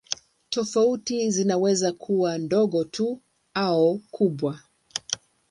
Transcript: Tofauti zinaweza kuwa ndogo tu au kubwa.